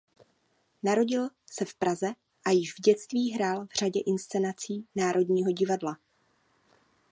Narodil se v Praze a již v dětství hrál v řadě inscenací Národního divadla.